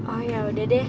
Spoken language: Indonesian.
oh yaudah deh